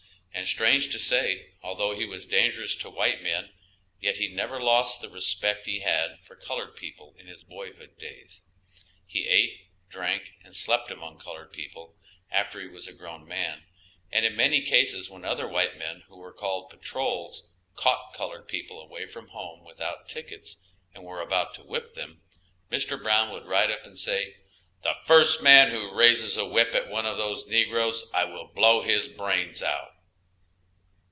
and, strange to say, although he was dangerous to white men, yet he never lost the respect he had for colored people in his boyhood days. He ate, drank and slept among colored people after he was a grown man, and in many cases when other white men, who were called patrols, caught colored people away from home without tickets, and were about to whip them, Mr. Brown would ride up and say, "The first man who raises a whip at one of those negroes I will blow his brains out."